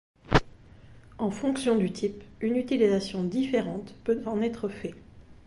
En fonction du type, une utilisation différente peut en être fait.